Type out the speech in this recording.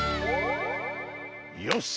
よし。